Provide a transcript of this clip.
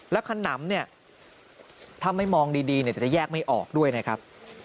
แล้วขนำเนี่ยถ้าไม่มองดีจะแยกไม่ออกด้วยนะครับ